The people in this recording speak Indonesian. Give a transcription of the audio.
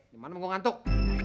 dimanam gue ngantuk